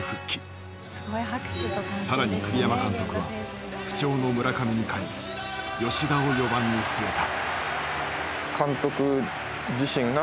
更に栗山監督は不調の村上に代え吉田を４番に据えた。